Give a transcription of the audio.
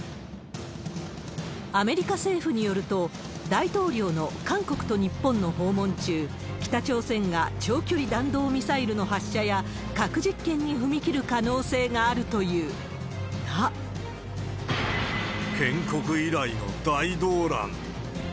アメリカ政府によると、大統領の韓国と日本の訪問中、北朝鮮が長距離弾道ミサイルの発射や核実験に踏み切る可能性があ建国以来の大動乱。